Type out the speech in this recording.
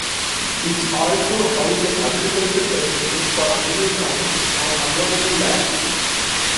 It also houses agriculture facilities for animal science and agronomy labs.